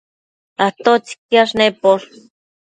¿atotsi quiash neposh?